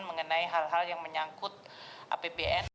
mengenai hal hal yang menyangkut apbn